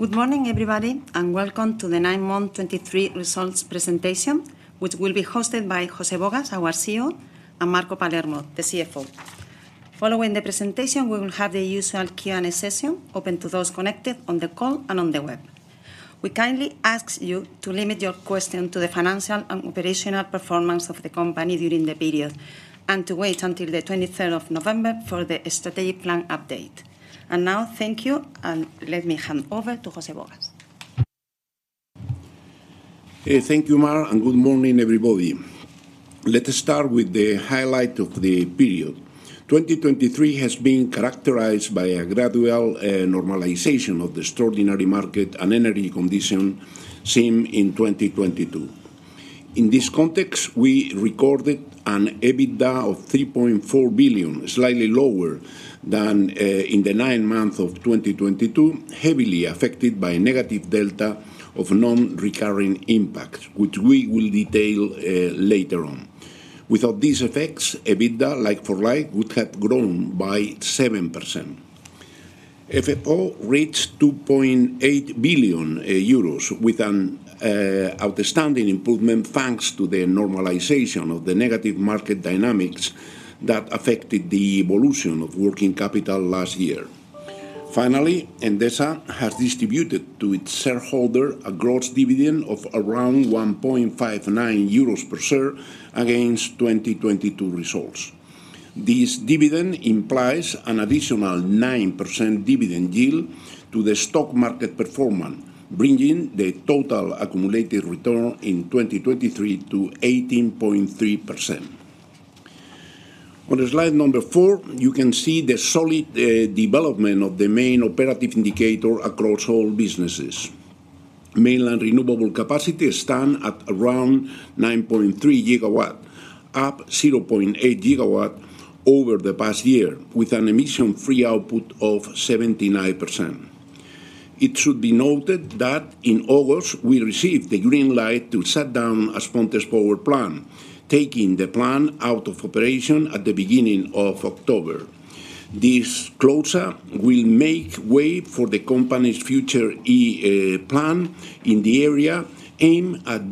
Good morning, everybody, and welcome to the Nine Month 2023 Results presentation, which will be hosted by José Bogas, our CEO, and Marco Palermo, the CFO. Following the presentation, we will have the usual Q&A session open to those connected on the call and on the web. We kindly ask you to limit your question to the financial and operational performance of the company during the period, and to wait until the 23rd of November for the Strategic Plan update. And now, thank you, and let me hand over to José Bogas. Hey thank you Mar and good morning, everybody. Let us start with the highlight of the period. 2023 has been characterized by a gradual normalization of the extraordinary market and energy condition seen in 2022. In this context, we recorded an EBITDA of 3.4 billion, slightly lower than in the nine month of 2022, heavily affected by negative delta of non-recurring impact, which we will detail later on. Without these effects, EBITDA, like-for-like, would have grown by 7%. FFO reached 2.8 billion euros, with an outstanding improvement, thanks to the normalization of the negative market dynamics that affected the evolution of working capital last year. Finally, Endesa has distributed to its shareholder a gross dividend of around 1.59 euros per share against 2022 results. This dividend implies an additional 9% dividend yield to the stock market performance, bringing the total accumulated return in 2023 to 18.3%. On slide number four, you can see the solid development of the main operative indicator across all businesses. Mainland renewable capacity stand at around 9.3 GW, up 0.8 GW over the past year, with an emission-free output of 79%. It should be noted that in August, we received the green light to shut down As Pontes power plant, taking the plant out of operation at the beginning of October. This closure will make way for the company's Futur-e plan in the area, aimed at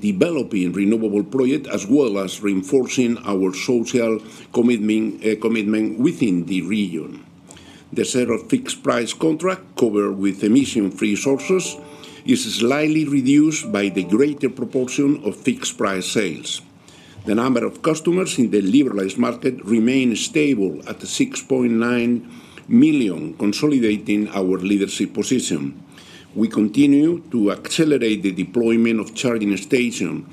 developing renewable project, as well as reinforcing our social commitment commitment within the region. The set of fixed price contract covered with emission-free sources is slightly reduced by the greater proportion of fixed-price sales. The number of customers in the liberalized market remain stable at 6.9 million, consolidating our leadership position. We continue to accelerate the deployment of charging station,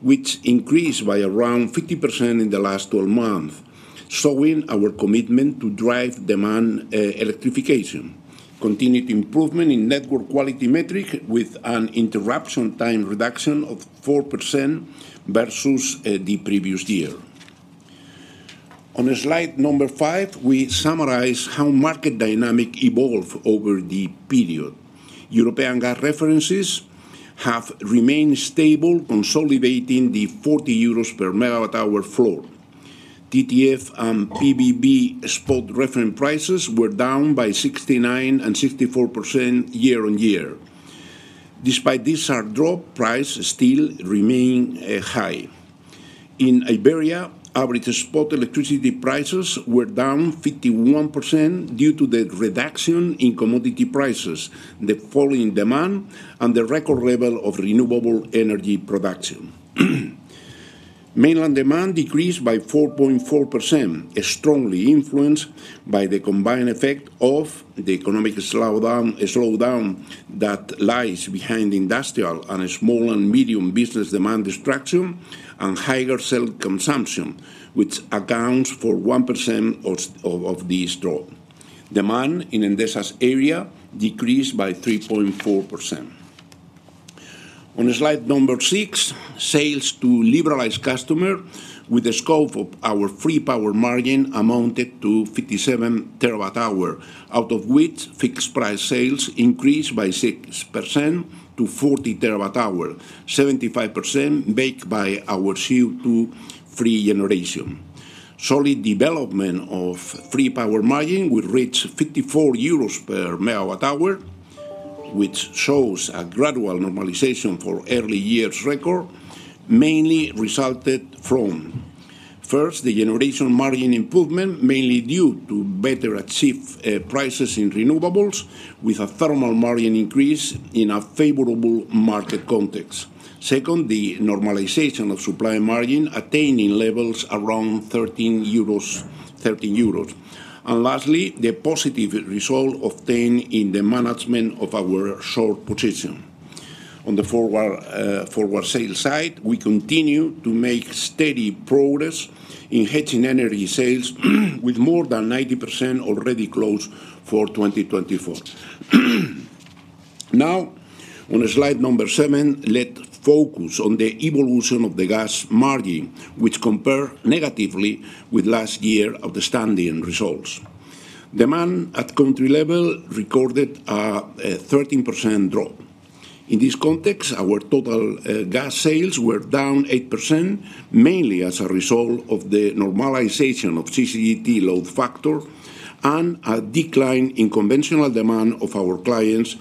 which increased by around 50% in the last 12 months, showing our commitment to drive demand, electrification. Continued improvement in network quality metric, with an interruption time reduction of 4% versus the previous year. On slide number five, we summarize how market dynamic evolved over the period. European gas references have remained stable, consolidating the 40 euros per MWh floor. TTF and PVB spot reference prices were down by 69% and 64% year-on-year. Despite this hard drop, prices still remain high. In Iberia, average spot electricity prices were down 51% due to the reduction in commodity prices, the falling demand, and the record level of renewable energy production. Mainland demand decreased by 4.4%, strongly influenced by the combined effect of the economic slowdown, a slowdown that lies behind industrial and small and medium business demand destruction, and higher self-consumption, which accounts for 1% of this drop. Demand in Endesa's area decreased by 3.4%. On slide six, sales to liberalized customer with the scope of our free power margin amounted to 57 TWh, out of which fixed price sales increased by 6% to 40 TWh, 75% made by our CO2-free generation. Solid development of free power margin, we reached 54 euros per MWh, which shows a gradual normalization for early years record, mainly resulted from, first, the generation margin improvement, mainly due to better achieved prices in renewables, with a thermal margin increase in a favorable market context. Second, the normalization of supply margin, attaining levels around 13 euros, 13 euros. And lastly, the positive result obtained in the management of our short position. On the forward sales side, we continue to make steady progress in hedging energy sales, with more than 90% already closed for 2024. Now, on slide number seven, let's focus on the evolution of the gas margin, which compare negatively with last year outstanding results. Demand at country level recorded a 13% drop. In this context, our total gas sales were down 8%, mainly as a result of the normalization of CCGT load factor and a decline in conventional demand of our clients,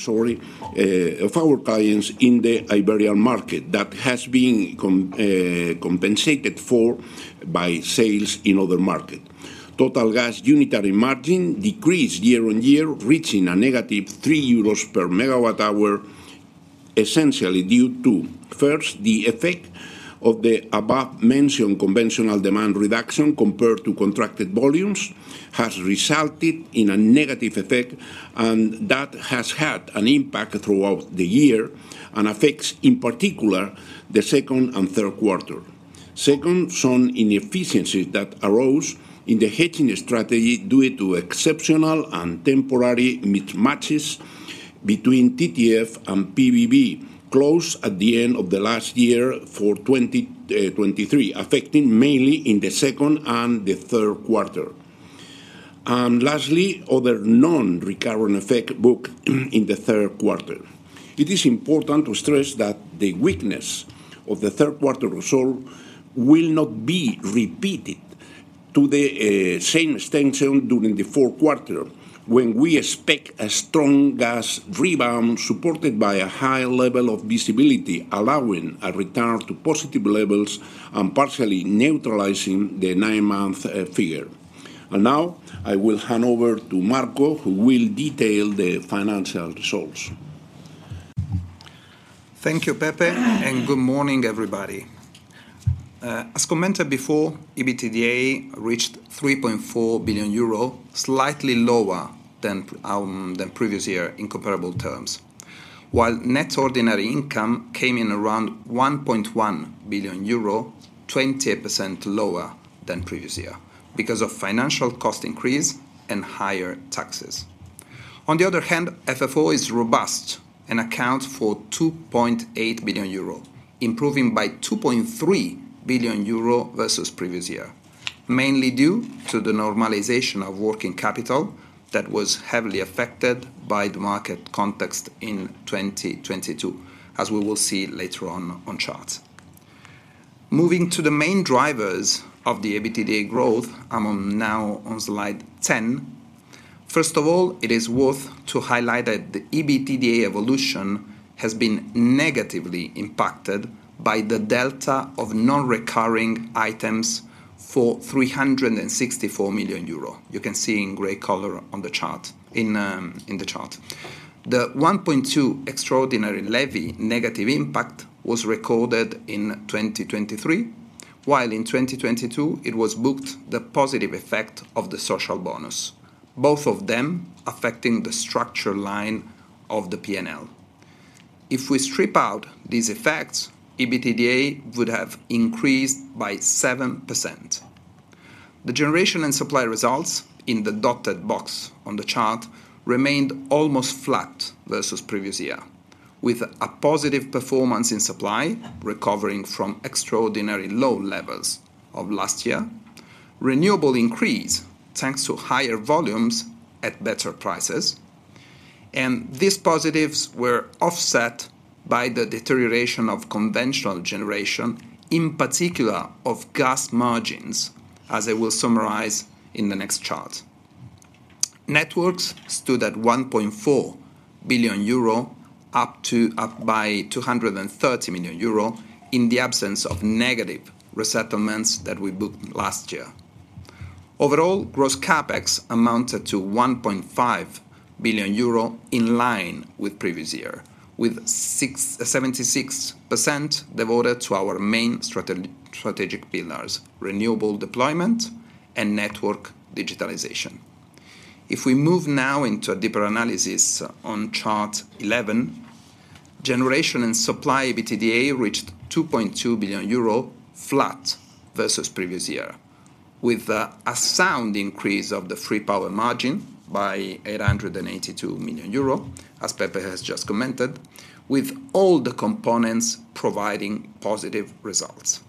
sorry, of our clients in the Iberia market that has been compensated for by sales in other market. Total gas unitary margin decreased year-on-year, reaching a -EUR 3 per MWh, essentially due to, first, the effect of the above-mentioned conventional demand reduction compared to contracted volumes, has resulted in a negative effect, and that has had an impact throughout the year and affects, in particular, the second and third quarter. Second, some inefficiency that arose in the hedging strategy due to exceptional and temporary mismatches between TTF and PVB, closed at the end of the last year for 2023, affecting mainly in the second and the third quarter. And lastly, other non-recurrent effect booked in the third quarter. It is important to stress that the weakness of the third quarter result will not be repeated to the same extent during the fourth quarter, when we expect a strong gas rebound, supported by a high level of visibility, allowing a return to positive levels and partially neutralizing the nine month figure. And now, I will hand over to Marco, who will detail the financial results. Thank you, Pepe, and good morning, everybody. As commented before, EBITDA reached 3.4 billion euro, slightly lower than previous year in comparable terms. While net ordinary income came in around 1.1 billion euro, 20% lower than previous year because of financial cost increase and higher taxes. On the other hand, FFO is robust and accounts for 2.8 billion euro, improving by 2.3 billion euro versus previous year, mainly due to the normalization of working capital that was heavily affected by the market context in 2022, as we will see later on charts. Moving to the main drivers of the EBITDA growth, I'm now on slide 10. First of all, it is worth to highlight that the EBITDA evolution has been negatively impacted by the delta of non-recurring items for 364 million euro. You can see in gray color on the chart. The 1.2 billion extraordinary levy negative impact was recorded in 2023, while in 2022 it was booked the positive effect of the social bonus, both of them affecting the structure line of the P&L. If we strip out these effects, EBITDA would have increased by 7%. The generation and supply results, in the dotted box on the chart, remained almost flat versus previous year, with a positive performance in supply, recovering from extraordinary low levels of last year. Renewable increase, thanks to higher volumes at better prices, and these positives were offset by the deterioration of conventional generation, in particular of gas margins, as I will summarize in the next chart. Networks stood at 1.4 billion euro, up by 230 million euro, in the absence of negative resettlements that we booked last year. Overall, gross CapEx amounted to 1.5 billion euro, in line with previous year, with 76% devoted to our main strategic pillars: renewable deployment and network digitalization. If we move now into a deeper analysis on chart 11, generation and supply EBITDA reached 2.2 billion euro, flat versus previous year, with a sound increase of the free power margin by 882 million euro, as Pepe has just commented, with all the components providing positive results.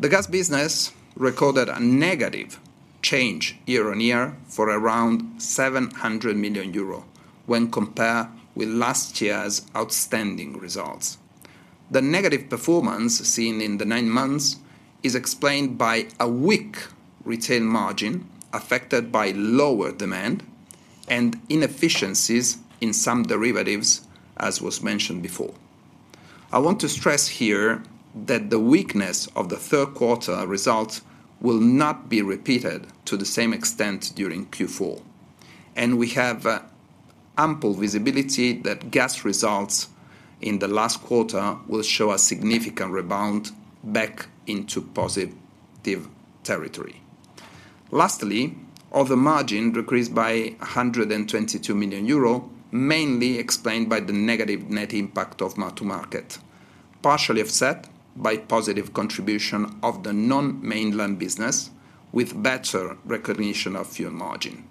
The gas business recorded a negative change year-on-year for around 700 million euro when compared with last year's outstanding results. The negative performance seen in the nine months is explained by a weak retail margin, affected by lower demand and inefficiencies in some derivatives, as was mentioned before. I want to stress here that the weakness of the third quarter results will not be repeated to the same extent during Q4, and we have ample visibility that gas results in the last quarter will show a significant rebound back into positive territory. Lastly, other margin decreased by 122 million euro, mainly explained by the negative net impact of mark-to-market, partially offset by positive contribution of the non-mainland business, with better recognition of fuel margin.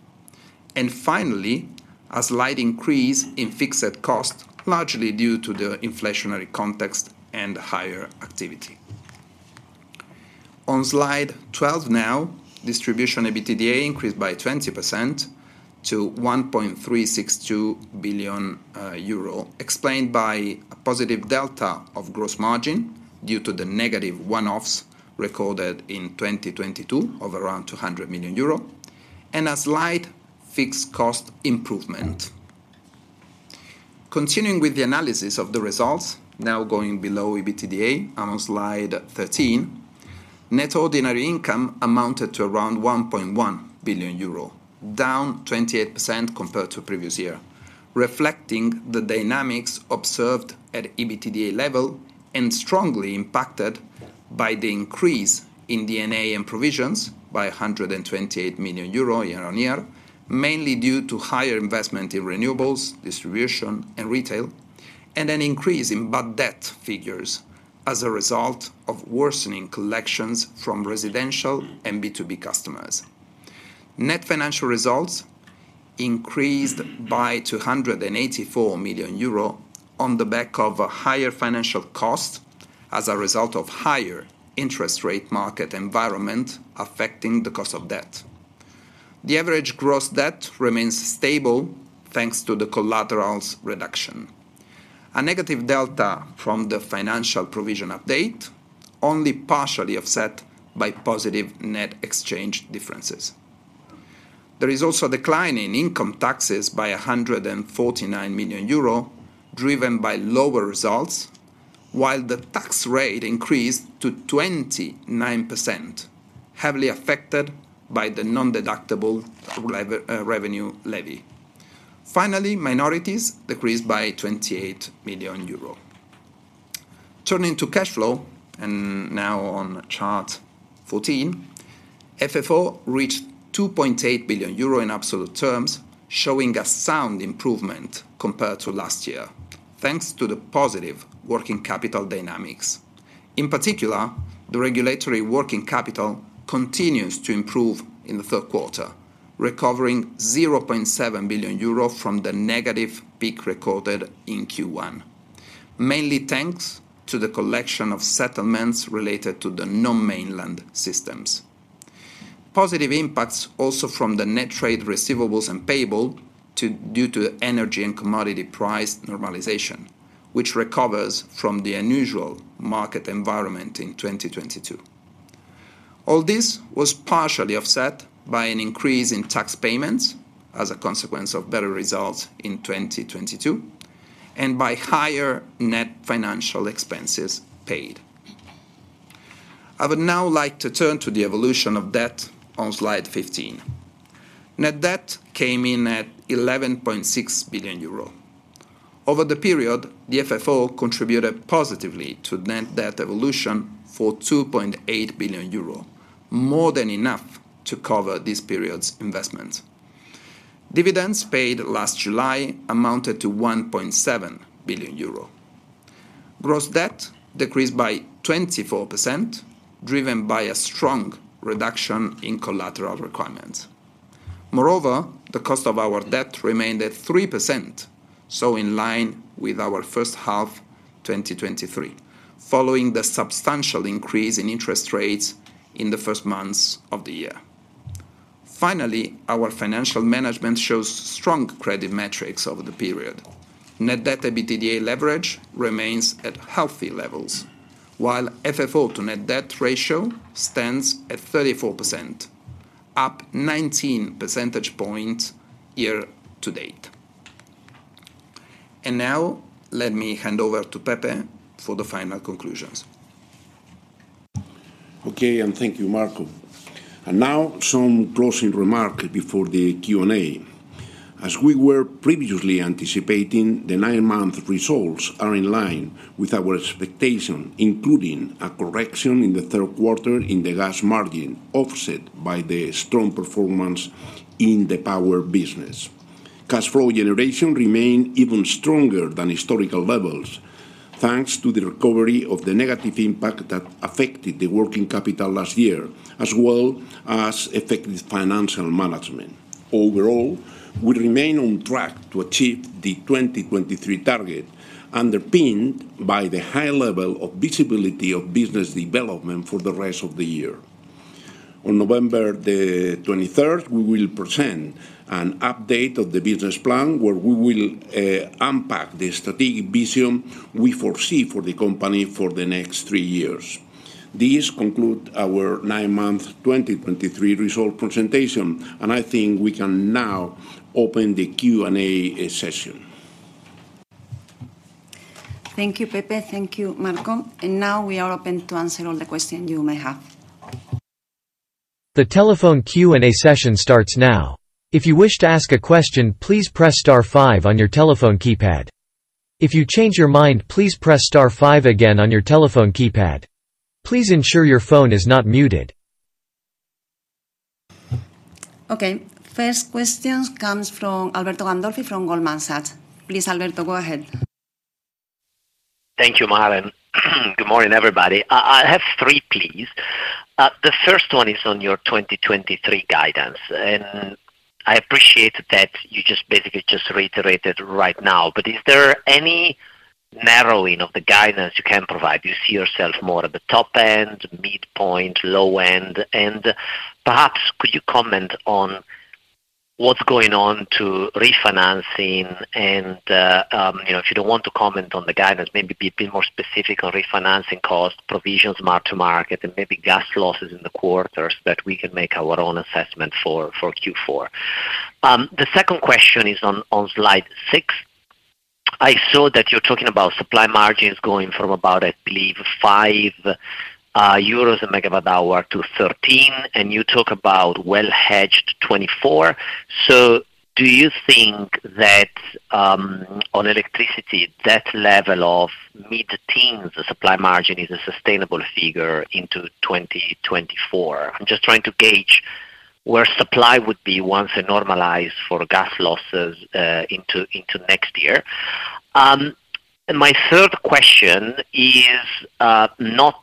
And finally, a slight increase in fixed cost, largely due to the inflationary context and higher activity. On slide 12 now, distribution EBITDA increased by 20% to 1.362 billion euro, explained by a positive delta of gross margin due to the negative one-offs recorded in 2022 of around 200 million euro, and a slight fixed cost improvement. Continuing with the analysis of the results, now going below EBITDA on slide 13, net ordinary income amounted to around 1.1 billion euro, down 28% compared to previous year, reflecting the dynamics observed at EBITDA level, and strongly impacted by the increase in D&A and provisions by 128 million euro, year-on-year, mainly due to higher investment in renewables, distribution, and retail, and an increase in bad debt figures as a result of worsening collections from residential and B2B customers. Net financial results increased by 284 million euro on the back of a higher financial cost, as a result of higher interest rate market environment affecting the cost of debt. The average gross debt remains stable, thanks to the collaterals reduction. A negative delta from the financial provision update, only partially offset by positive net exchange differences. There is also a decline in income taxes by 149 million euro, driven by lower results, while the tax rate increased to 29%, heavily affected by the non-deductible through revenue levy. Finally, minorities decreased by 28 million euro. Turning to cash flow, and now on chart 14, FFO reached 2.8 billion euro in absolute terms, showing a sound improvement compared to last year, thanks to the positive working capital dynamics. In particular, the regulatory working capital continues to improve in the third quarter, recovering 0.7 billion euro from the negative peak recorded in Q1, mainly thanks to the collection of settlements related to the non-mainland systems. Positive impacts also from the net trade receivables and payables due to energy and commodity price normalization, which recovers from the unusual market environment in 2022. All this was partially offset by an increase in tax payments as a consequence of better results in 2022, and by higher net financial expenses paid. I would now like to turn to the evolution of debt on slide 15. Net debt came in at 11.6 billion euro. Over the period, the FFO contributed positively to net debt evolution for 2.8 billion euro, more than enough to cover this period's investments. Dividends paid last July amounted to 1.7 billion euro. Gross debt decreased by 24%, driven by a strong reduction in collateral requirements. Moreover, the cost of our debt remained at 3%, so in line with our first half 2023, following the substantial increase in interest rates in the first months of the year. Finally, our financial management shows strong credit metrics over the period. Net debt to EBITDA leverage remains at healthy levels, while FFO to net debt ratio stands at 34%, up 19 percentage points year-to-date. And now, let me hand over to Pepe for the final conclusions. Okay, and thank you, Marco. Now some closing remarks before the Q&A. As we were previously anticipating, the nine month results are in line with our expectation, including a correction in the third quarter in the gas margin, offset by the strong performance in the power business. Cash flow generation remained even stronger than historical levels, thanks to the recovery of the negative impact that affected the working capital last year, as well as effective financial management. Overall, we remain on track to achieve the 2023 target, underpinned by the high level of visibility of business development for the rest of the year. On November the 23rd, we will present an update of the business plan, where we will unpack the strategic vision we foresee for the company for the next three years. This concludes our Nine Month 2023 Results presentation, and I think we can now open the Q&A session. Thank you, Pepe. Thank you, Marco. And now we are open to answer all the questions you may have. The telephone Q&A session starts now. If you wish to ask a question, please press star five on your telephone keypad. If you change your mind, please press star five again on your telephone keypad. Please ensure your phone is not muted. Okay, first question comes from Alberto Gandolfi from Goldman Sachs. Please, Alberto, go ahead. Thank you Mar. Good morning everybody. I have three, please. The first one is on your 2023 guidance, and I appreciate that you just basically just reiterated right now, but is there any narrowing of the guidance you can provide. Do you see yourself more at the top-end, midpoint, low-end? And perhaps could you comment on what's going on to refinancing? And, you know, if you don't want to comment on the guidance, maybe be more specific on refinancing costs, provisions mark to market, and maybe gas losses in the quarters, that we can make our own assessment for, for Q4. The second question is on slide six. I saw that you're talking about supply margins going from about, I believe, 5 euros per MWh to 13, and you talk about well-hedged 2024. So do you think that, on electricity, that level of mid-teens supply margin is a sustainable figure into 2024? I'm just trying to gauge where supply would be once normalized for gas losses, into next year. And my third question is, not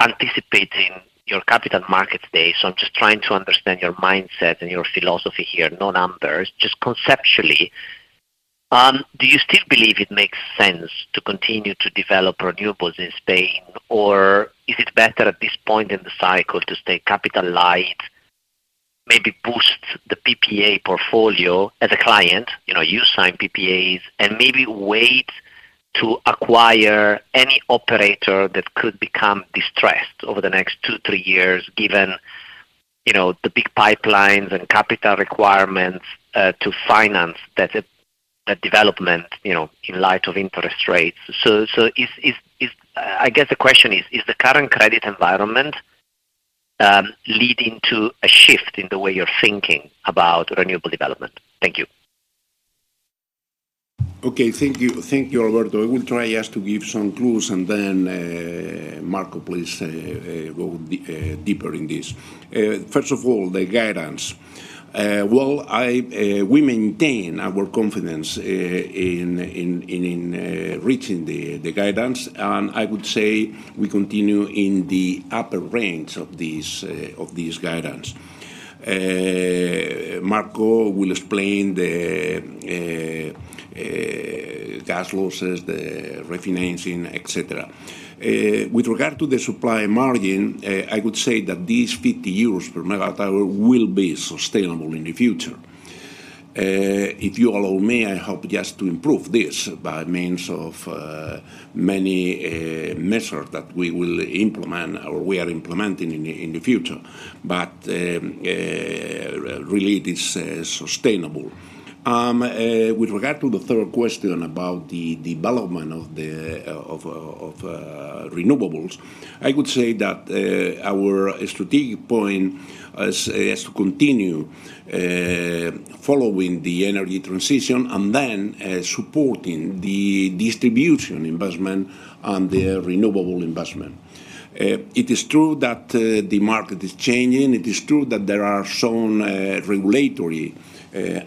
anticipating your capital markets day, so I'm just trying to understand your mindset and your philosophy here, no numbers, just conceptually. Do you still believe it makes sense to continue to develop renewables in Spain? Or is it better at this point in the cycle to stay capital light, maybe boost the PPA portfolio as a client, you know, you sign PPAs, and maybe wait to acquire any operator that could become distressed over the next two, three years, given, you know, the big pipelines and capital requirements, to finance that, that development, you know, in light of interest rates? So, I guess the question is: Is the current credit environment, leading to a shift in the way you're thinking about renewable development? Thank you. Okay. Thank you. Thank you, Alberto. I will try just to give some clues and then, Marco, please, go deeper in this. First of all, the guidance. Well, we maintain our confidence in reaching the guidance, and I would say we continue in the upper range of these guidance. Marco will explain the gas losses, the refinancing, et cetera. With regard to the supply margin, I would say that 50 euros per MWh will be sustainable in the future. If you allow me, I hope just to improve this by means of many measures that we will implement or we are implementing in the future. But really, it is sustainable. With regard to the third question about the development of the renewables, I would say that our strategic point is to continue following the energy transition and then supporting the distribution investment and the renewable investment. It is true that the market is changing. It is true that there are some regulatory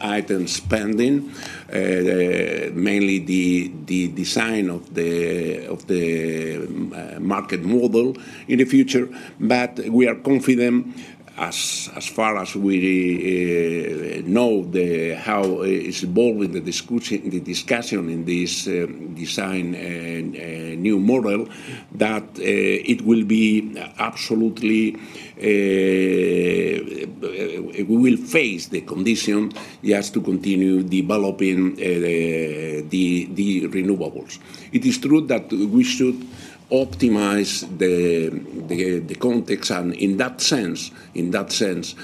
items pending, mainly the design of the market model in the future. But we are confident, as far as we know how it's involved with the discussion in this design and new model, that it will be absolutely, we will face the condition, yes, to continue developing the renewables. It is true that we should optimize the context, and in that sense,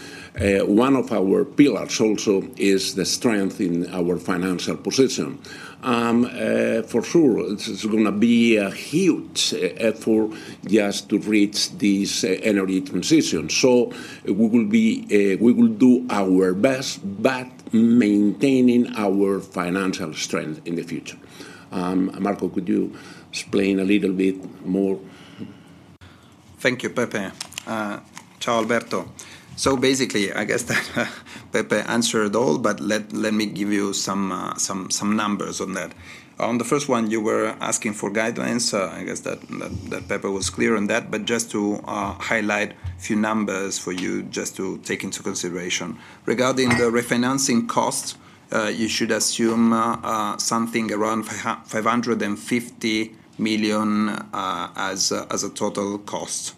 one of our pillars also is the strength in our financial position. For sure, it's gonna be a huge effort just to reach this energy transition. So we will do our best, but maintaining our financial strength in the future. Marco, could you explain a little bit more? Thank you Pepe. Ciao, Alberto. So basically, I guess that Pepe answered all, but let me give you some numbers on that. On the first one, you were asking for guidelines. I guess that Pepe was clear on that, but just to highlight a few numbers for you just to take into consideration. Regarding the refinancing costs, you should assume something around 550 million as a total cost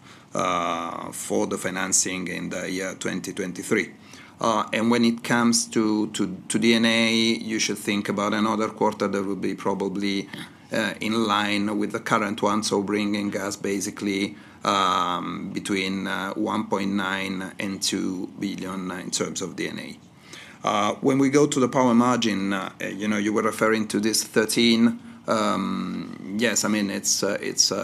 for the financing in the year 2023. And when it comes to D&A, you should think about another quarter that would be probably in line with the current one, so bringing us basically between 1.9 billion and 2 billion in terms of D&A. When we go to the power margin, you know, you were referring to this 13. Yes, I mean, it's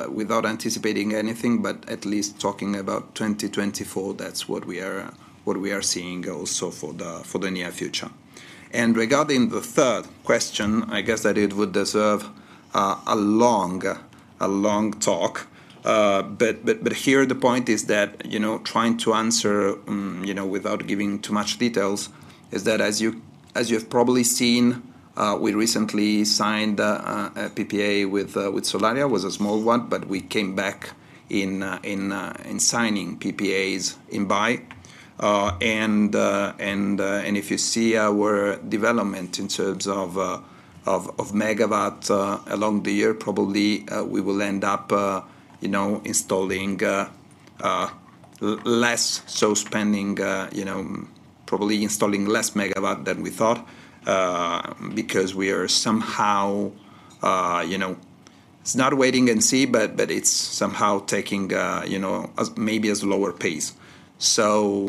without anticipating anything, but at least talking about 2024, that's what we are seeing also for the near future. Regarding the third question, I guess that it would deserve a long talk. But here the point is that, you know, trying to answer, you know, without giving too much details, is that, as you have probably seen, we recently signed a PPA with Solaria. It was a small one, but we came back in signing PPAs in buy. If you see our development in terms of megawatts along the year, probably we will end up, you know, installing less, so spending, you know, probably installing less megawatt than we thought, because we are somehow, you know, it's not wait and see, but, but it's somehow taking, you know, as maybe as lower pace. So,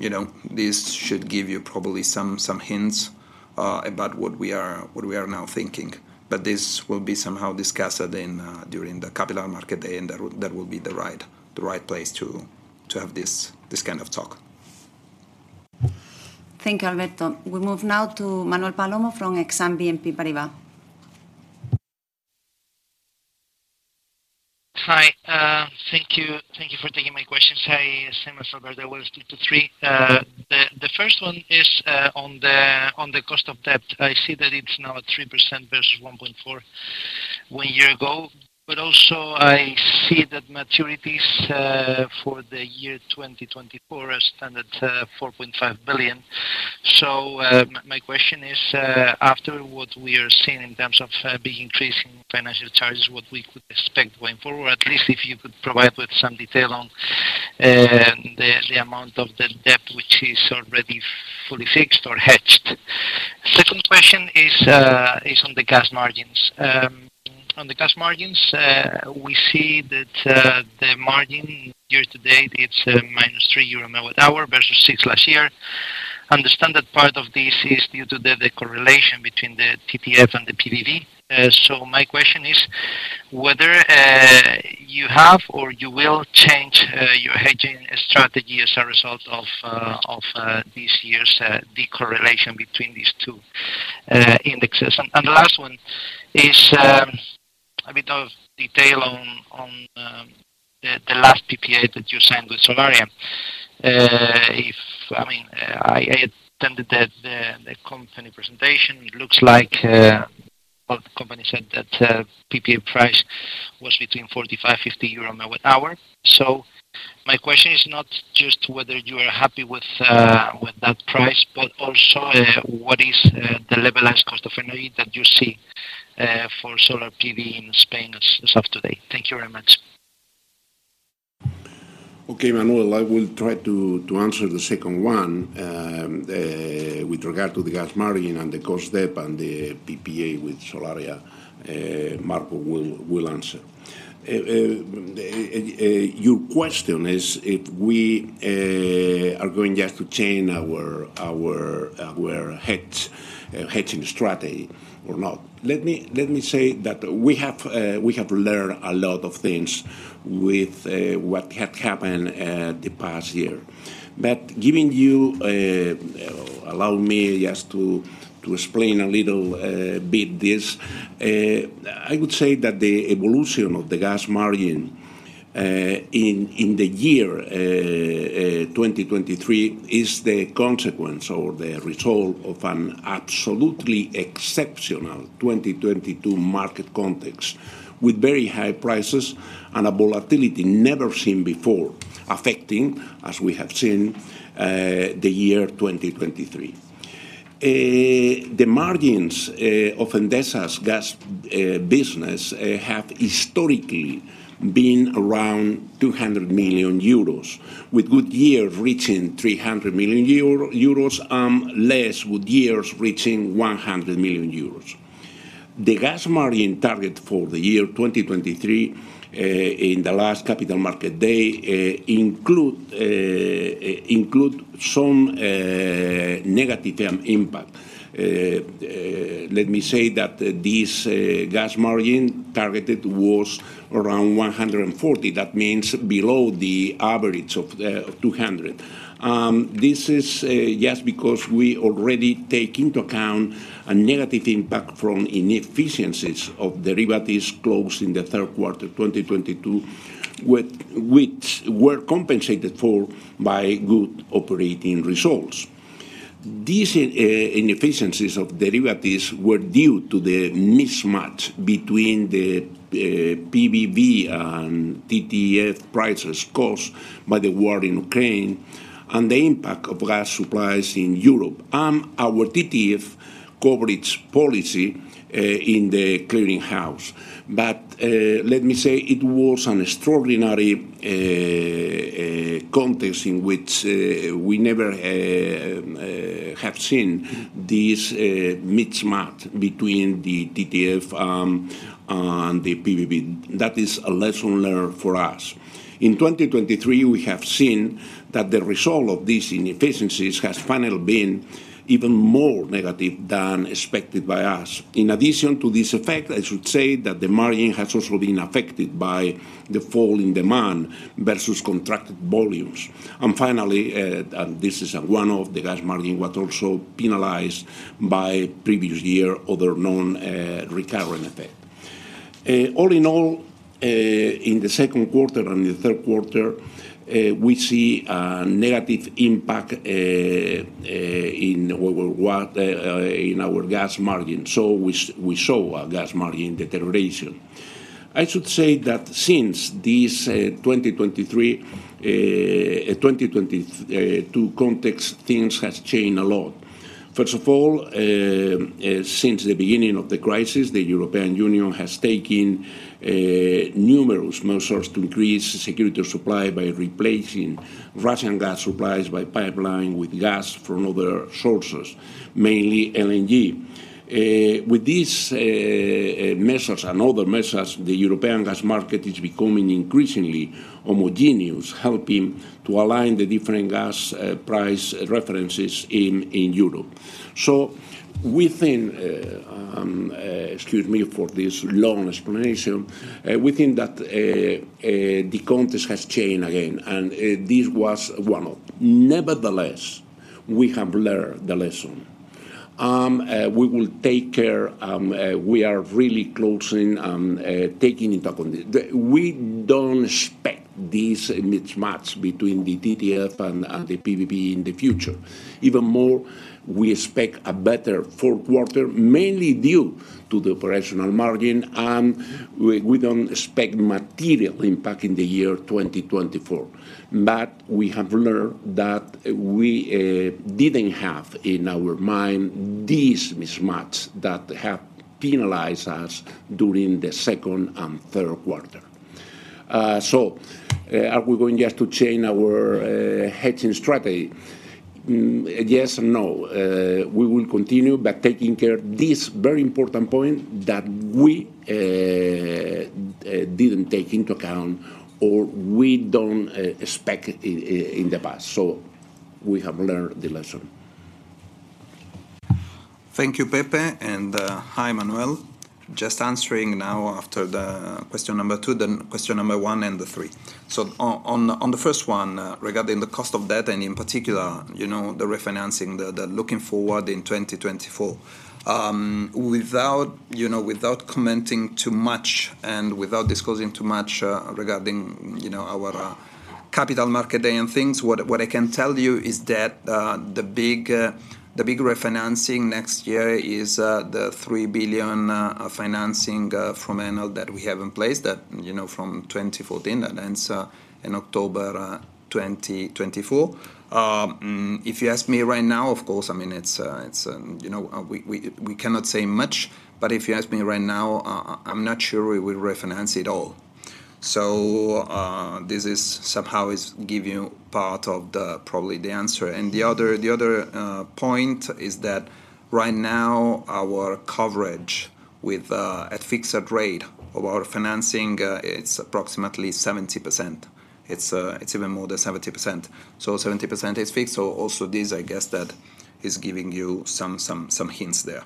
you know, this should give you probably some, some hints about what we are, what we are now thinking. But this will be somehow discussed during the Capital Markets Day, and that will, that will be the right, the right place to have this, this kind of talk. Thank you, Alberto. We move now to Manuel Palomo from Exane BNP Paribas. Hi, thank you. Thank you for taking my questions. I same as Alberto, well, two to three. The first one is on the cost of debt. I see that it's now at 3% versus 1.4% one year ago, but also I see that maturities for the year 2024 are standard, 4.5 billion. So, my question is, after what we are seeing in terms of big increase in financial charges, what we could expect going forward? At least if you could provide with some detail on the amount of the debt which is already fully fixed or hedged. Second question is on the gas margins. On the gas margins, we see that the margin year to date, it's -3 euro MWh versus 6 MWh last year. Understand that part of this is due to the correlation between the TTF and the PVB. So my question is whether you have or you will change your hedging strategy as a result of this year's decorrelation between these two indexes? And the last one is a bit of detail on the last PPA that you signed with Solaria. I mean, I attended the company presentation. It looks like, well, the company said that PPA price was between 45-50 euro MWh. So my question is not just whether you are happy with, with that price, but also, what is, the levelized cost of energy that you see, for Solar PV in Spain as, as of today? Thank you very much. Okay, Manuel, I will try to answer the second one. With regard to the gas margin and the cost step and the PPA with Solaria, Marco will answer. Your question is if we are going just to change our hedging strategy or not. Let me say that we have learned a lot of things with what had happened the past year. But giving you, allow me just to explain a little bit this. I would say that the evolution of the gas margin in the year 2023 is the consequence or the result of an absolutely exceptional 2022 market context, with very high prices and a volatility never seen before, affecting, as we have seen, the year 2023. The margins of Endesa's gas business have historically been around 200 million euros, with good years reaching 300 million euros, less good years reaching 100 million euros. The gas margin target for the year 2023, in the last Capital Markets Day, includes some negative impact. Let me say that this gas margin targeted was around 140. That means below the average of the 200. This is just because we already take into account a negative impact from inefficiencies of derivatives closed in the third quarter 2022, which were compensated for by good operating results. These inefficiencies of derivatives were due to the mismatch between the PVB and TTF prices caused by the war in Ukraine, and the impact of gas supplies in Europe, and our TTF coverage policy in the clearing house. But let me say it was an extraordinary context in which we never have seen this mismatch between the TTF and the PVB. That is a lesson learned for us. In 2023, we have seen that the result of these inefficiencies has finally been even more negative than expected by us. In addition to this effect, I should say that the margin has also been affected by the fall in demand versus contracted volumes. And finally, and this is one of the gas margin, was also penalized by previous year other known recurring effect. All in all, in the second quarter and the third quarter, we see a negative impact in what we want in our gas margin. So we saw a gas margin deterioration. I should say that since this 2023, 2022 context, things has changed a lot. First of all, since the beginning of the crisis, the European Union has taken numerous measures to increase security of supply by replacing Russian gas supplies by pipeline with gas from other sources, mainly LNG. With these measures and other measures, the European gas market is becoming increasingly homogeneous, helping to align the different gas price references in Europe. So within, excuse me for this long explanation, within that, the context has changed again, and this was one of. Nevertheless, we have learned the lesson. We will take care, we are really closing and taking it up on the the, we don't expect this mismatch between the TTF and the PVB in the future. Even more, we expect a better fourth quarter, mainly due to the operational margin, and we don't expect material impact in the year 2024. But we have learned that we didn't have in our mind these mismatch that have penalized us during the second and third quarter. So, are we going just to change our hedging strategy? Yes and no. We will continue, but taking care of this very important point that we didn't take into account, or we don't expect it in the past. So we have learned the lesson. Thank you Pepe and hi Manuel. Just answering now after the question number two, then question number one and the three. So on the first one, regarding the cost of debt, and in particular, you know, the refinancing, the looking forward in 2024. Without commenting too much and without disclosing too much regarding our Capital Markets Day and things, what I can tell you is that the big refinancing next year is the 3 billion financing from Enel that we have in place, that you know, from 2014, that ends in October 2024. If you ask me right now, of course, I mean, it's, it's, you know, we cannot say much, but if you ask me right now, I'm not sure we will refinance it all. So, this is somehow is give you part of the, probably the answer. And the other point is that right now, our coverage with, at fixed rate of our financing, it's approximately 70%. It's, it's even more than 70%. So 70% is fixed, so also this, I guess, that is giving you some hints there,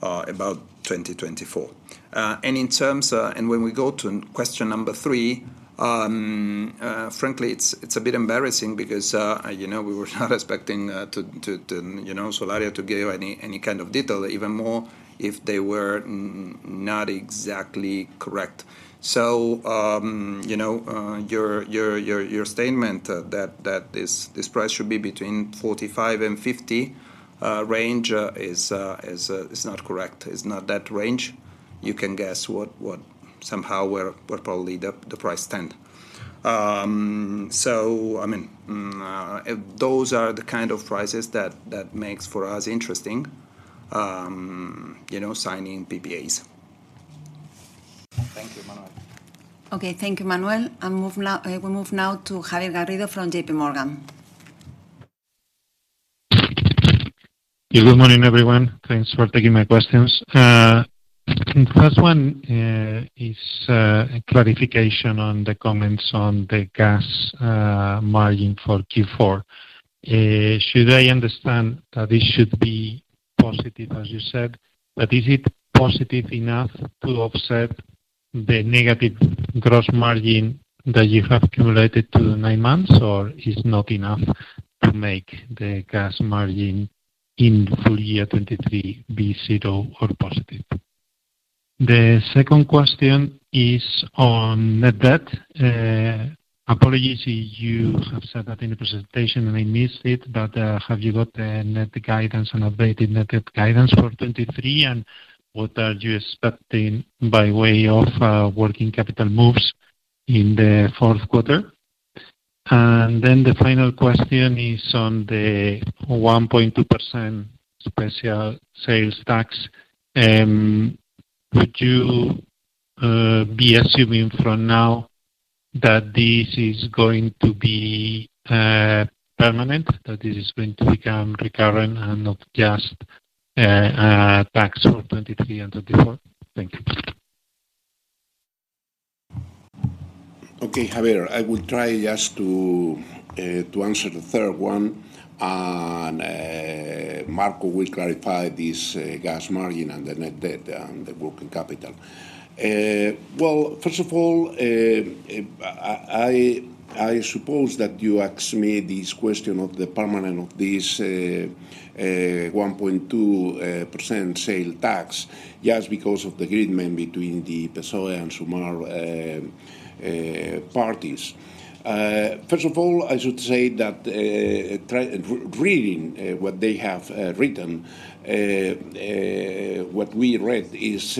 about 2024. And in terms- When we go to question number three, frankly, it's a bit embarrassing because, you know, we were not expecting to, you know, Solaria to give any kind of detail, even more if they were not exactly correct. So, you know, your statement that this price should be 45-50 range is not correct. It's not that range. You can guess what somehow where probably the price stand. So I mean, those are the kind of prices that makes for us interesting, you know, signing PPAs. Thank you, Manuel. Okay. Thank you, Manuel. We move now to Javier Garrido from JPMorgan. Yeah, good morning, everyone. Thanks for taking my questions. First one is a clarification on the comments on the gas margin for Q4. Should I understand that this should be positive, as you said, but is it positive enough to offset the negative gross margin that you have accumulated to the nine months, or it's not enough to make the gas margin in full year 2023 be zero or positive? The second question is on net debt. Apologies if you have said that in the presentation and I missed it, but have you got a net guidance, an updated net debt guidance for 2023, and what are you expecting by way of working capital moves in the fourth quarter? And then the final question is on the 1.2% special sales tax. Would you be assuming from now that this is going to be permanent, that this is going to become recurring and not just a tax for 2023 and 2024? Thank you. Okay, Javier, I will try just to answer the third one, and Marco will clarify this gas margin and the net debt and the working capital. Well, first of all, I suppose that you asked me this question of the permanence of this 1.2% sales tax, just because of the agreement between the PSOE and Sumar parties. First of all, I should say that try reading what they have written, what we read is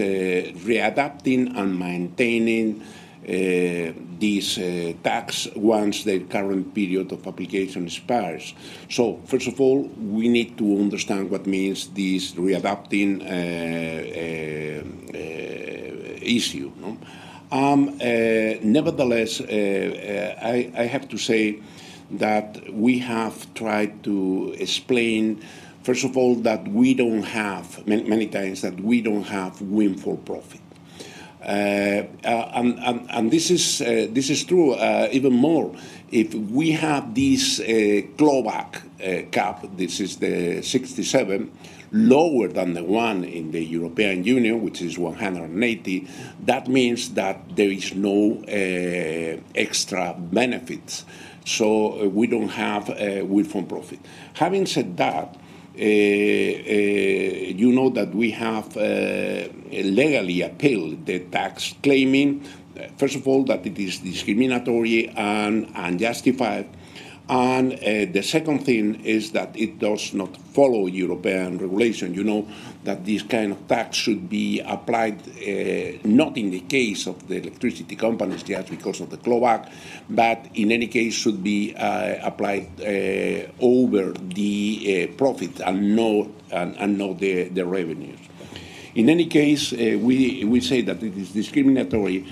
readapting and maintaining these taxes once the current period of application expires. So first of all, we need to understand what means this readapting issue, no? Nevertheless, I have to say that we have tried to explain, first of all, that we don't have, many, many times, that we don't have windfall profit. And this is true, even more if we have this clawback cap, this is the 67, lower than the one in the European Union, which is 180, that means that there is no extra benefits. So we don't have will for profit. Having said that, you know that we have legally appealed the tax, claiming, first of all, that it is discriminatory and unjustified. And the second thing is that it does not follow European regulation. You know that this kind of tax should be applied, not in the case of the electricity companies, just because of the clawback, but in any case, should be applied over the profit and not the revenues. In any case, we say that it is discriminatory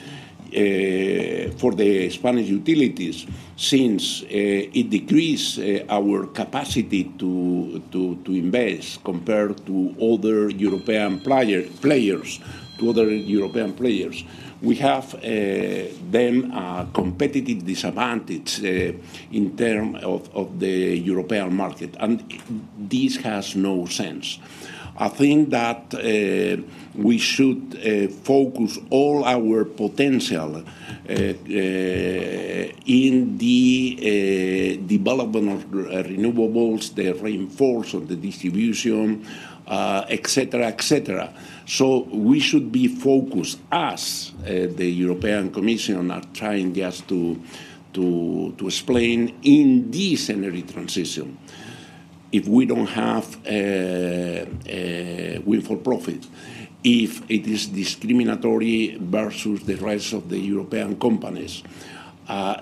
for the Spanish utilities, since it decrease our capacity to invest compared to other European players. We have, then, a competitive disadvantage in term of the European market, and this has no sense. I think that we should focus all our potential in the development of renewables, the reinforce of the distribution, et cetera, et cetera. So we should be focused, as the European Commission, on trying just to explain in this energy transition, if we don't have a will for profit, if it is discriminatory versus the rest of the European companies,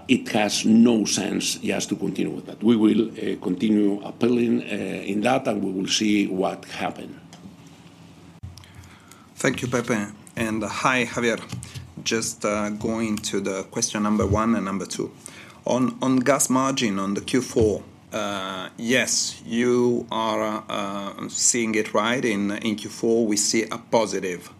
it has no sense, it has to continue with that. We will continue appealing in that, and we will see what happen. Thank you Pepe and hi Javier. Just going to the question number one and number two. On gas margin on the Q4, yes, you are seeing it right. In Q4, we see a positive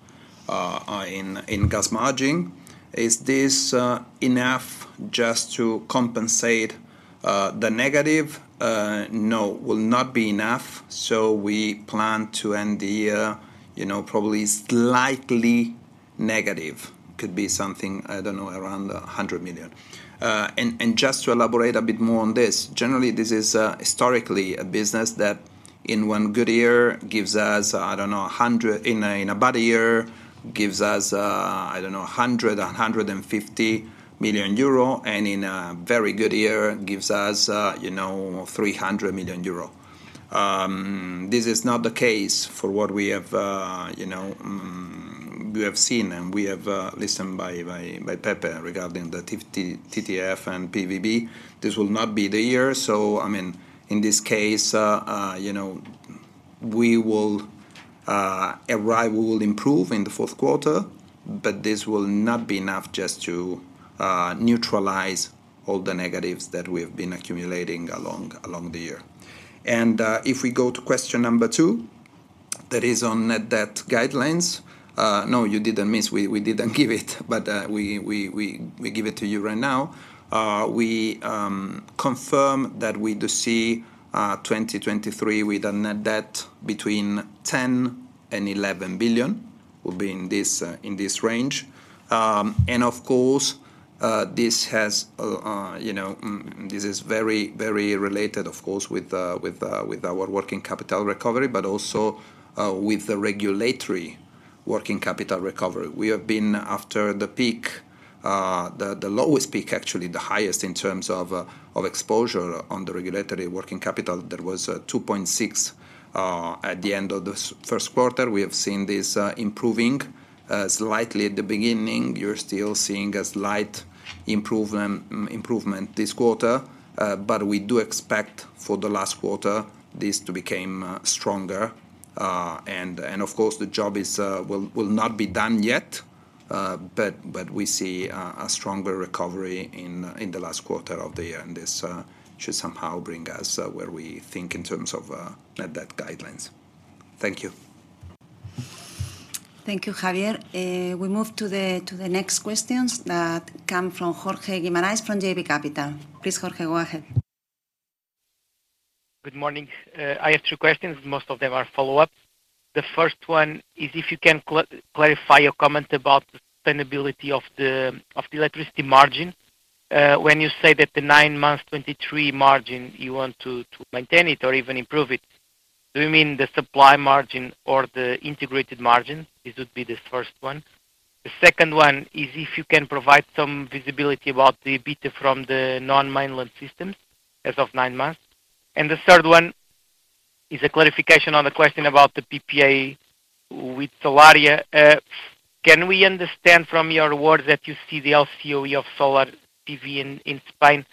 in gas margin. Is this enough just to compensate the negative? No, will not be enough, so we plan to end the year, you know, probably slightly negative. Could be something, I don't know, around 100 million. And just to elaborate a bit more on this, generally, this is historically a business that in one good year gives us, I don't know, 100 million. In a bad year, gives us, I don't know, 100, 150 million euro, and in a very good year, gives us, you know, 300 million euro. This is not the case for what we have, you know, we have seen and we have listened by Pepe regarding the TTF and PVB. This will not be the year, so, I mean, in this case, you know, we will arrive, we will improve in the fourth quarter, but this will not be enough just to neutralize all the negatives that we have been accumulating along the year. And, if we go to question number two, that is on net debt guidelines. No, you didn't miss. We didn't give it, but we give it to you right now. We confirm that we do see 2023 with a net debt between 10 billion and 11 billion, will be in this range. And of course, this has, you know, this is very, very related, of course, with our working capital recovery, but also, with the regulatory working capital recovery. We have been, after the peak, the lowest peak, actually, the highest in terms of, of exposure on the regulatory working capital. There was 2.6 at the end of the first quarter. We have seen this, improving, slightly at the beginning. You're still seeing a slight improvement this quarter, but we do expect for the last quarter, this to became, stronger. And of course, the job will not be done yet, but we see a stronger recovery in the last quarter of the year, and this should somehow bring us where we think in terms of net debt guidelines. Thank you. Thank you, Javier. We move to the next questions that come from Jorge Guimarães from JB Capital. Please, Jorge, go ahead. Good morning. I have two questions. Most of them are follow-ups. The first one is if you can clarify your comment about the sustainability of the, of the electricity margin, when you say that the nine months 2023 margin, you want to, to maintain it or even improve it? Do you mean the supply margin or the integrated margin? This would be the first one. The second one is if you can provide some visibility about the EBITDA from the non-mainland systems as of nine months. And the third one is a clarification on the question about the PPA with Solaria. Can we understand from your words that you see the LCOE of Solar PV in, in Spain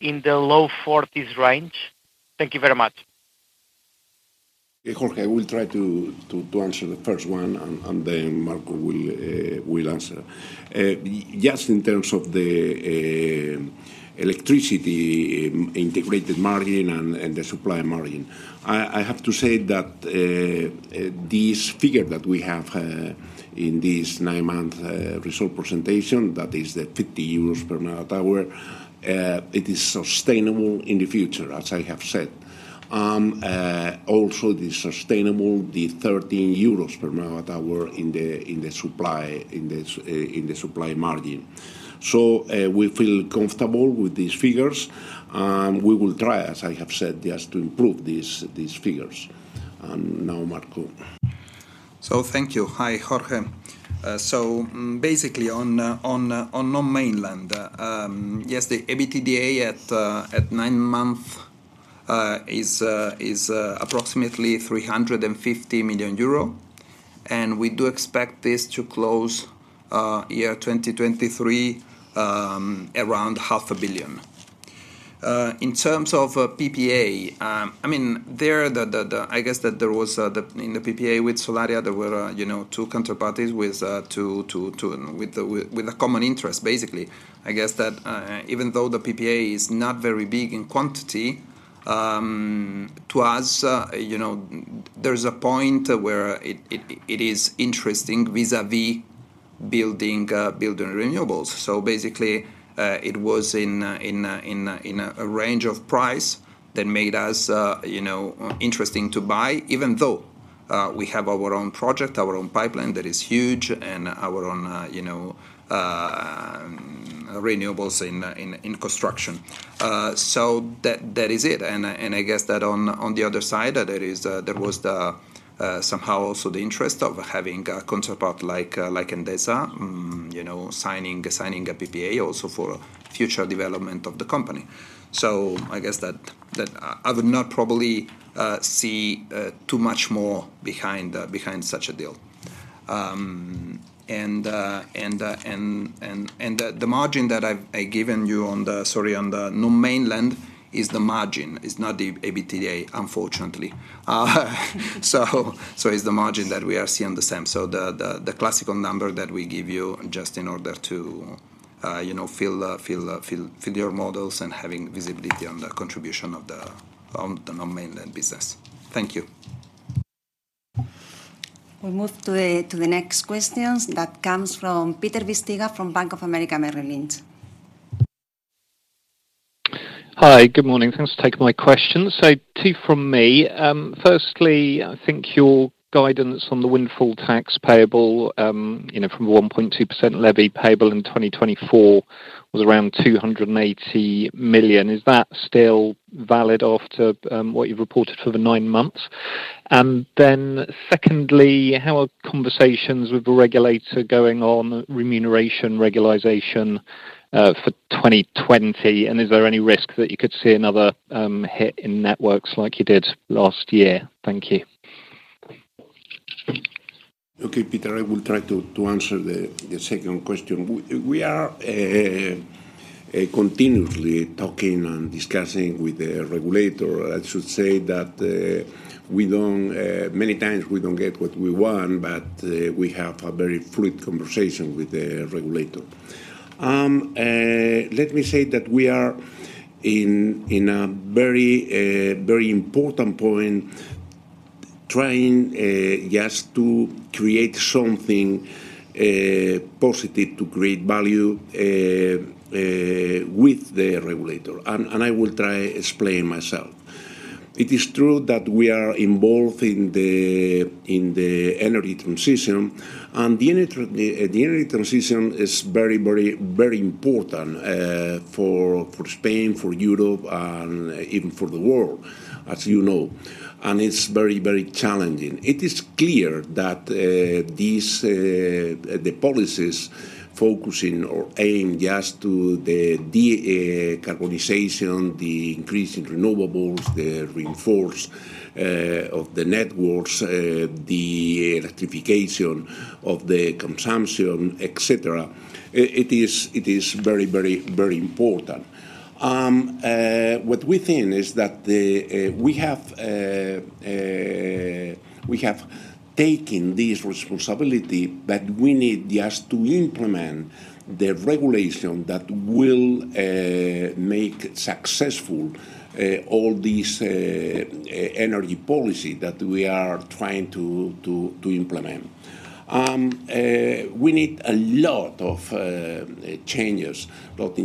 in the low forties range? Thank you very much. Hey, Jorge, I will try to answer the first one, and then Marco will answer. Just in terms of the electricity integrated margin and the supply margin, I have to say that this figure that we have in this Nine Month Result presentation, that is the 50 euros per MWh, it is sustainable in the future, as I have said. Also the sustainable, the 13 euros per MWh in the supply margin. So, we feel comfortable with these figures, and we will try, as I have said, just to improve these figures. And now, Marco. So thank you. Hi Jorge. Basically, on non-mainland, yes, the EBITDA at nine month is approximately 350 million euro, and we do expect this to close year 2023 around 500 million. In terms of PPA, I mean, I guess that there was the in the PPA with Solaria, there were, you know, two counterparties with two and with a common interest, basically. I guess that even though the PPA is not very big in quantity, to us, you know, there's a point where it is interesting vis-a-vis building renewables. So basically, it was in a range of price that made us, you know, interesting to buy, even though we have our own project, our own pipeline that is huge, and our own, you know, renewables in construction. So that, that is it. And I guess that on the other side, there is, there was the somehow also the interest of having a counterpart like Endesa, you know, signing a PPA also for future development of the company. So I guess that, that I would not probably see too much more behind such a deal. And the margin that I've given you on the, sorry, on the non-mainland, is the margin. It's not the EBITDA, unfortunately. So it's the margin that we are seeing the same. So the classical number that we give you, just in order to, you know, fill your models and having visibility on the contribution of the non-mainland business. Thank you. We move to the next questions that comes from Peter Bisztyga from Bank of America Merrill Lynch. Hi good morning. Thanks to take my questions. So two from me. Firstly, I think your guidance on the windfall tax payable, you know, from 1.2% levy payable in 2024 was around 280 million. Is that still valid after what you've reported for the nine months? And then, secondly, how are conversations with the regulator going on remuneration regularization for 2020? And is there any risk that you could see another hit in networks like you did last year? Thank you. Okay, Peter, I will try to answer the second question. We are continuously talking and discussing with the regulator. I should say that we don't many times we don't get what we want, but we have a very fluid conversation with the regulator. Let me say that we are in a very very important point, trying just to create something positive, to create value with the regulator, and I will try explain myself. It is true that we are involved in the energy transition, and the energy transition is very, very, very important for Spain, for Europe, and even for the world, as you know, and it's very, very challenging. It is clear that these policies focusing or aiming just to the decarbonization, the increase in renewables, the reinforcement of the networks, the electrification of the consumption, et cetera, it is very, very, very important. What we think is that we have taken this responsibility, but we need just to implement the regulation that will make successful all these energy policy that we are trying to implement. We need a lot of changes,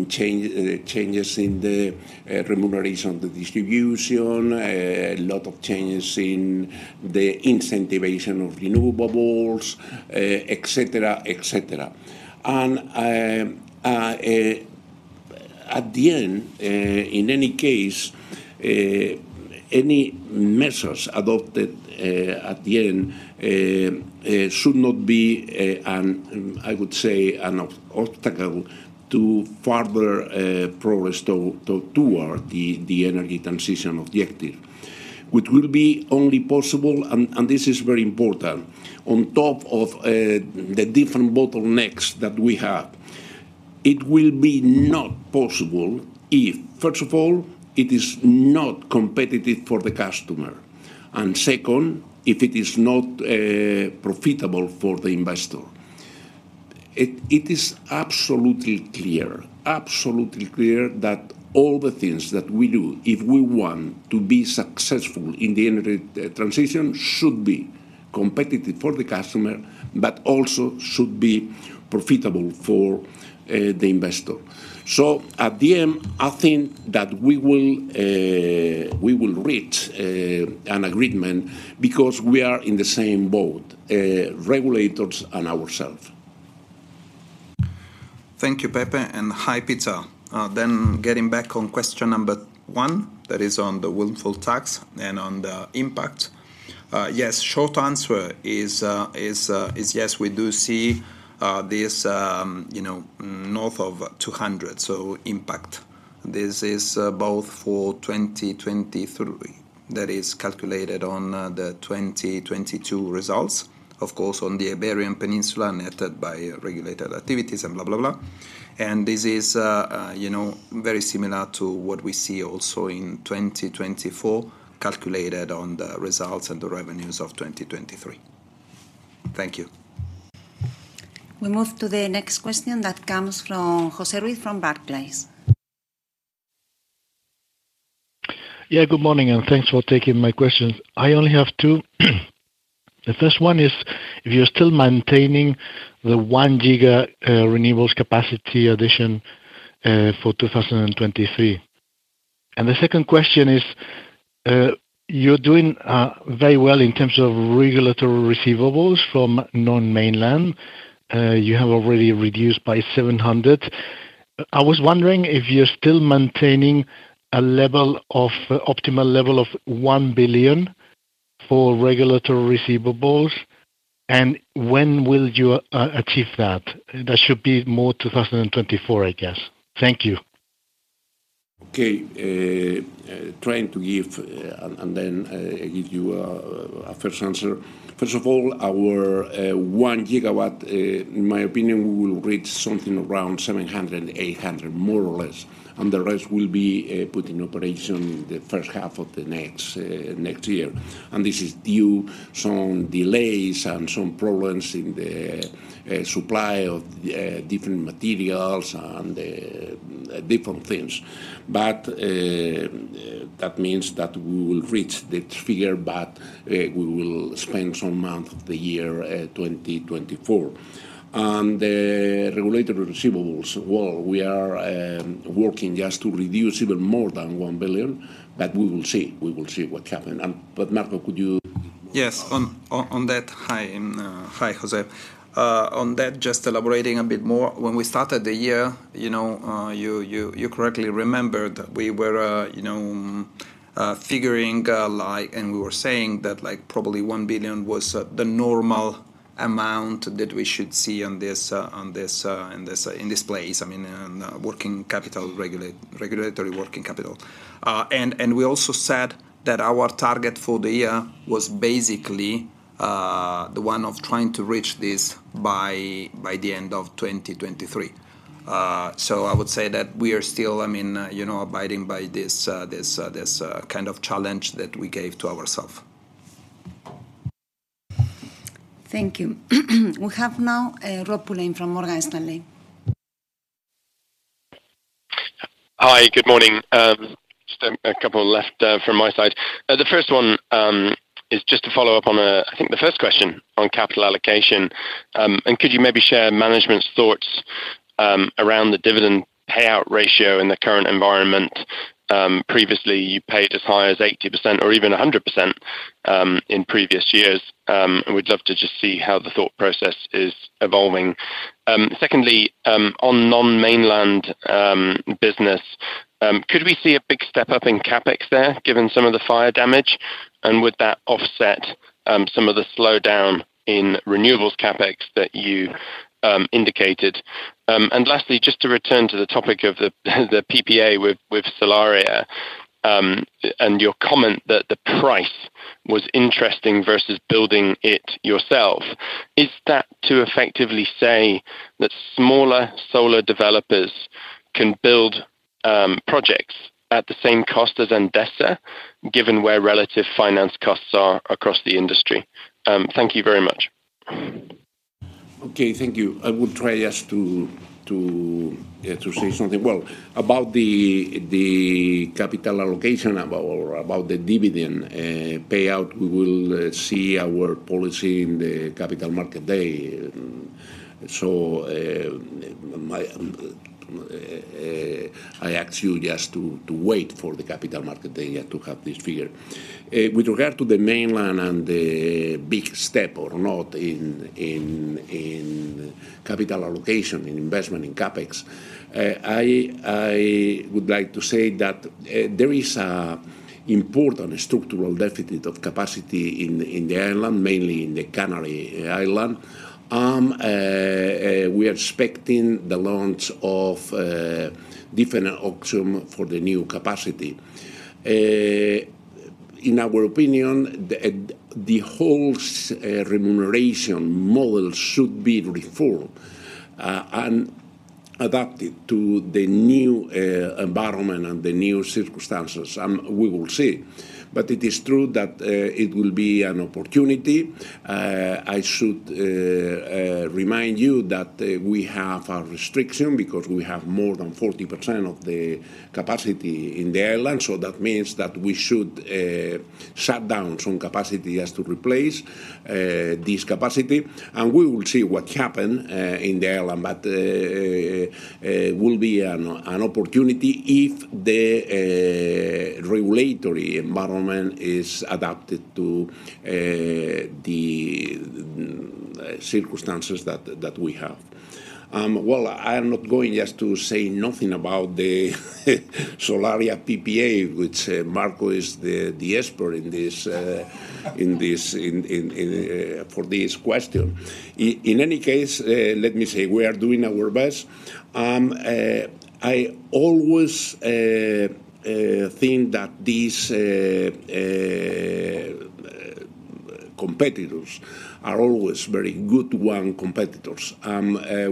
changes in the remuneration of the distribution, a lot of changes in the incentivization of renewables, et cetera, et cetera. And- At the end, in any case, any measures adopted, at the end, should not be, I would say, an obstacle to further progress toward the energy transition objective. Which will be only possible, and this is very important, on top of the different bottlenecks that we have, it will be not possible if, first of all, it is not competitive for the customer, and second, if it is not profitable for the investor. It is absolutely clear, absolutely clear that all the things that we do, if we want to be successful in the energy transition, should be competitive for the customer, but also should be profitable for the investor. So at the end, I think that we will reach an agreement because we are in the same boat, regulators and ourselves. Thank you Pepe, and hi Peter. Then getting back on question number one, that is on the windfall tax and on the impact. Yes, short answer is yes, we do see this, you know, north of 200 so impact. This is both for 2023. That is calculated on the 2022 results, of course, on the Iberian Peninsula, netted by regulated activities. And this is, you know, very similar to what we see also in 2024, calculated on the results and the revenues of 2023. Thank you. We move to the next question that comes from José Ruiz from Barclays. Yeah, good morning, and thanks for taking my questions. I only have two. The first one is, if you're still maintaining the 1 GW renewables capacity addition for 2023? And the second question is, you're doing very well in terms of regulatory receivables from non-mainland. You have already reduced by 700 million. I was wondering if you're still maintaining a level of, optimal level of 1 billion for regulatory receivables, and when will you achieve that? That should be more 2024, I guess. Thank you. Okay. Trying to give you a first answer. First of all, our 1 GW, in my opinion, we will reach something around 700 million-800 million, more or less, and the rest will be put in operation the first half of the next year. And this is due some delays and some problems in the supply of different materials and different things. But that means that we will reach the figure, but we will spend some month of the year 2024. On the regulatory receivables, well, we are working just to reduce even more than 1 billion, but we will see. We will see what happen. But Marco, could you- Yes, on that. Hi, and hi, José. On that, just elaborating a bit more, when we started the year, you know, you correctly remembered that we were, you know, figuring, like. And we were saying that, like, probably 1 billion was the normal amount that we should see on this, in this place. I mean, on working capital, regulatory working capital. And we also said that our target for the year was basically the one of trying to reach this by the end of 2023. So I would say that we are still, I mean, you know, abiding by this kind of challenge that we gave to ourselves. Thank you. We have now, Rob Pulleyn from Morgan Stanley. Hi good morning. Just a couple left from my side. The first one is just to follow up on I think the first question on capital allocation. And could you maybe share management's thoughts around the dividend payout ratio in the current environment? Previously, you paid as high as 80% or even 100% in previous years. And we'd love to just see how the thought process is evolving. Secondly, on non-mainland business, could we see a big step-up in CapEx there, given some of the fire damage? And would that offset some of the slowdown in renewables CapEx that you indicated? And lastly, just to return to the topic of the PPA with Solaria, and your comment that the price was interesting versus building it yourself, is that to effectively say that smaller solar developers can build projects at the same cost as Endesa, given where relative finance costs are across the industry? Thank you very much. Okay, thank you. I will try just to say something. Well, about the capital allocation, about or about the dividend payout, we will see our policy in the Capital Markets Day. So, I ask you just to wait for the Capital Markets Day to have this figure. With regard to the mainland and the big step or not in capital allocation in investment in CapEx. I would like to say that there is a important structural deficit of capacity in the island, mainly in the Canary Islands. We are expecting the launch of different auction for the new capacity. In our opinion, the whole remuneration model should be reformed and adapted to the new environment and the new circumstances, and we will see. But it is true that it will be an opportunity. I should remind you that we have a restriction because we have more than 40% of the capacity in the island, so that means that we should shut down some capacity as to replace this capacity. And we will see what happen in the island, but it will be an opportunity if the regulatory environment is adapted to the circumstances that we have. Well, I am not going just to say nothing about the Solaria PPA, which Marco is the expert in this for this question. In any case, let me say, we are doing our best. I always think that these competitors are always very good one competitors.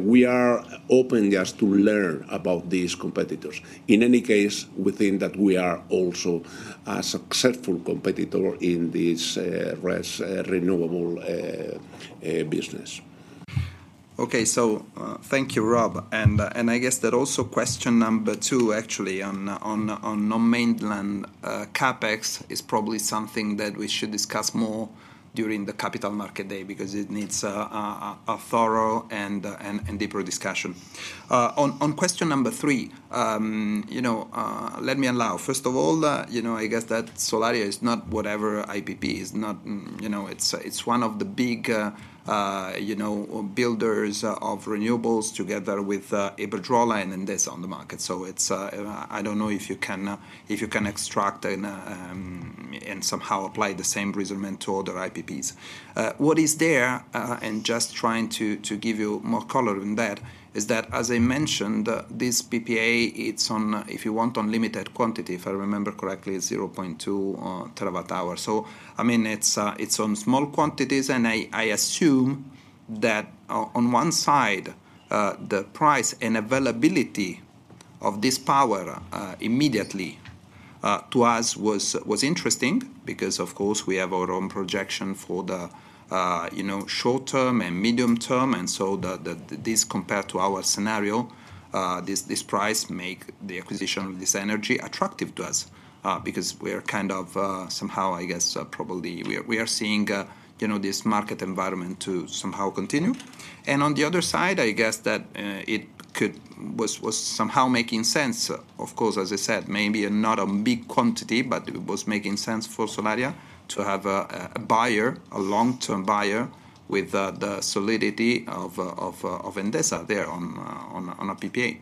We are open just to learn about these competitors. In any case, we think that we are also a successful competitor in this renewable business. Okay, so, thank you Rob. And I guess that also question number two, actually, on non-mainland CapEx, is probably something that we should discuss more during the Capital Markets Day, because it needs a thorough and deeper discussion. On question number three, you know, let me allow. First of all, you know, I guess that Solaria is not whatever IPP, is not. You know, it's one of the big, you know, builders of renewables together with Iberdrola, and then that's on the market. So it's, I don't know if you can extract and somehow apply the same reasoning to other IPPs. What is there, and just trying to give you more color in that, is that, as I mentioned, this PPA, it's on, if you want, on limited quantity. If I remember correctly, it's 0.2 TWh. So I mean, it's on small quantities, and I assume that on one side, the price and availability of this power immediately to us was interesting because, of course, we have our own projection for the, you know, short-term and medium-term. And so the this compared to our scenario, this price make the acquisition of this energy attractive to us, because we are kind of somehow, I guess, probably we are seeing, you know, this market environment to somehow continue. And on the other side, I guess that it could, was somehow making sense. Of course, as I said, maybe not a big quantity, but it was making sense for Solaria to have a buyer, a long-term buyer, with the solidity of Endesa there on a PPA.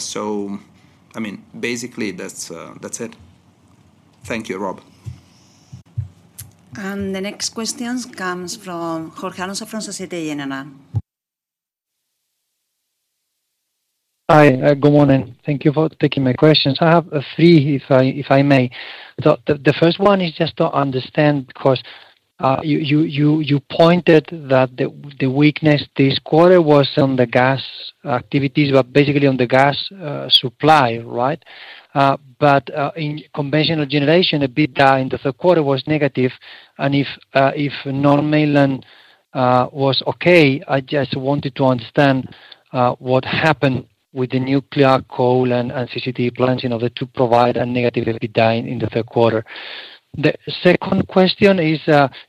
So I mean, basically, that's it. Thank you Rob. The next questions comes from Jorge Alonso from Société Générale. Hi good morning. Thank you for taking my questions. I have three, if I may. The first one is just to understand, because you pointed that the weakness this quarter was on the gas activities, were basically on the gas supply, right? But in conventional generation, EBITDA in the third quarter was negative, and if non-mainland was okay, I just wanted to understand what happened with the nuclear coal and CCGT plants in order to provide a negative EBITDA in the third quarter. The second question is,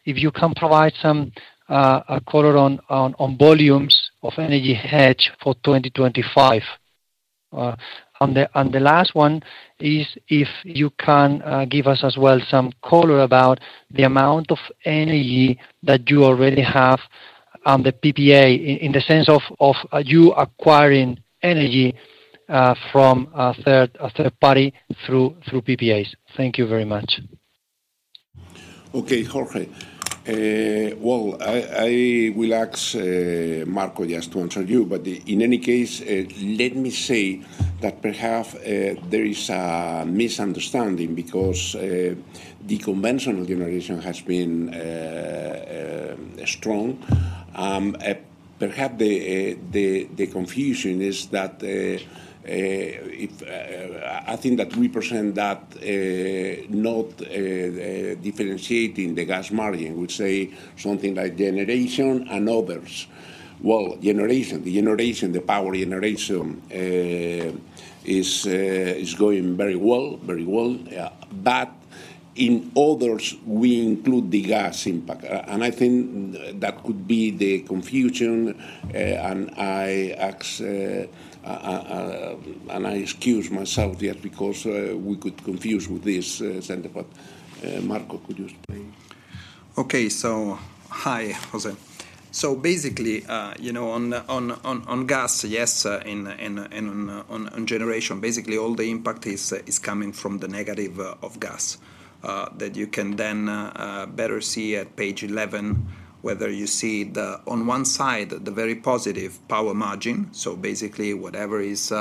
if you can provide some color on volumes of energy hedge for 2025. And the last one is if you can give us as well some color about the amount of energy that you already have on the PPA, in the sense of you acquiring energy from a third party through PPAs. Thank you very much. Okay, Jorge. Well, I will ask Marco just to answer you, but in any case, let me say that perhaps there is a misunderstanding, because the conventional generation has been strong. Perhaps the confusion is that I think that we present that, not differentiating the gas margin, we say something like generation and others. Well, generation, the generation, the power generation is going very well, very well, but in others, we include the gas impact. And I think that could be the confusion, and I ask and I excuse myself here, because we could confuse with this center, but Marco, could you explain? Okay, so hi, José. So basically, you know, on the gas, yes, on generation, basically all the impact is coming from the negative of gas. That you can then better see at page 11, where you see the, on one side, the very positive power margin. So basically, whatever is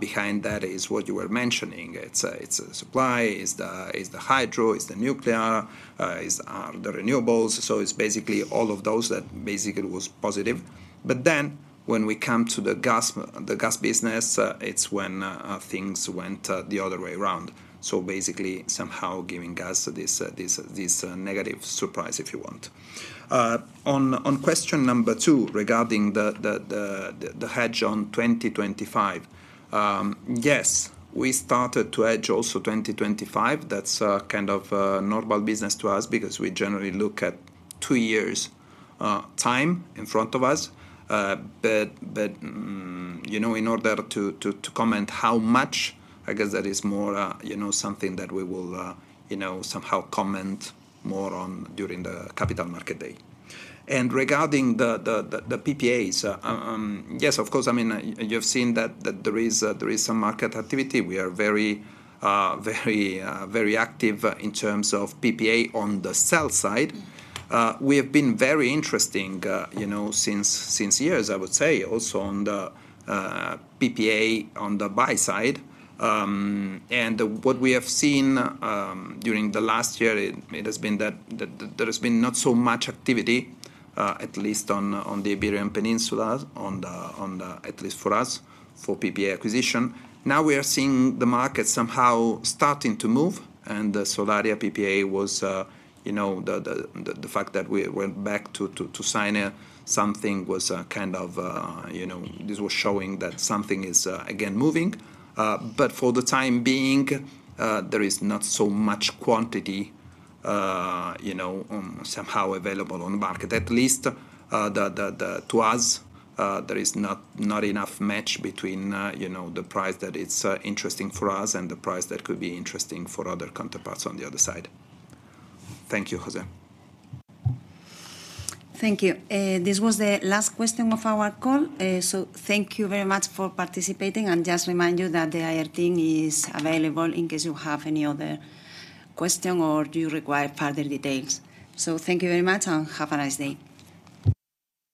behind that is what you were mentioning. It's a supply, it's the hydro, it's the nuclear, it's the renewables. So it's basically all of those that basically was positive. But then when we come to the gas, the gas business, it's when things went the other way around. So basically, somehow giving gas this negative surprise, if you want. On question number two, regarding the hedge on 2025. Yes, we started to hedge also 2025. That's kind of normal business to us because we generally look at two years time in front of us. But you know, in order to comment how much, I guess that is more something that we will somehow comment more on during the Capital Market Day. And regarding the PPAs, yes, of course, I mean, you've seen that there is some market activity. We are very very very active in terms of PPA on the sell side. We have been very interesting you know since years, I would say, also on the PPA on the buy side. And what we have seen during the last year, it has been that there has been not so much activity, at least on the Iberian Peninsula, at least for us, for PPA acquisition. Now, we are seeing the market somehow starting to move, and the Solaria PPA was, you know, the fact that we went back to sign it, something was kind of, you know, this was showing that something is again moving. But for the time being, there is not so much quantity, you know, somehow available on the market. At least, to us, there is not enough match between, you know, the price that it's interesting for us and the price that could be interesting for other counterparts on the other side. Thank you, José. Thank you. This was the last question of our call. So thank you very much for participating, and just remind you that the IR team is available in case you have any other question or do you require further details. So thank you very much, and have a nice day.